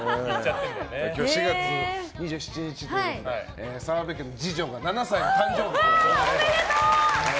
４月２７日ということで澤部家の次女が７歳の誕生日で。